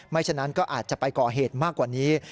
ฉะนั้นก็อาจจะไปก่อเหตุมากกว่านี้